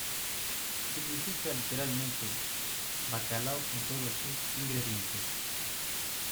Significa literalmente "bacalao con todos sus ingredientes".